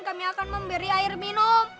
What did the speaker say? kami akan memberi air minum